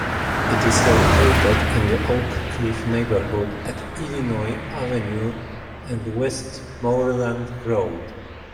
It is located in the Oak Cliff neighborhood at Illinois Avenue and Westmoreland Road.